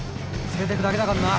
連れてくだけだかんな。